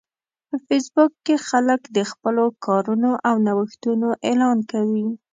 په فېسبوک کې خلک د خپلو کارونو او نوښتونو اعلان کوي